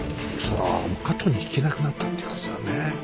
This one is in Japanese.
後に引けなくなったっていうことだね。